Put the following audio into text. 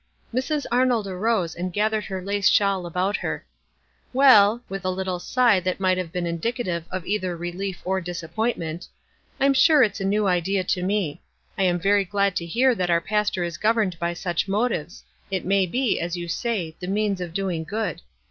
Mrs. Arnold arose and gathered her lace shawl about her. " Well," she said, with a little sigh that might have been indicative of either relief or disap pointment, "I'm sure it's a new idea to me. I am very glad to hear that our pastor is governed by such motives — it may be, as you say, the means of doing good.